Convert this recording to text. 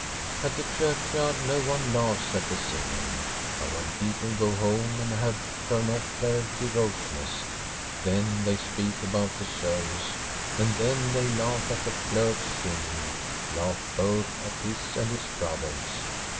At the churchyard no one laughs at the sing ing ; but when people go home and have thrown off their devoutness, then they speak about the service, and then they laugh at the clerk's singing — laugh both at his and his brother's.